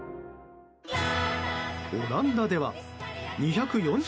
オランダでは２４０